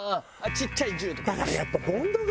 ちっちゃい銃で。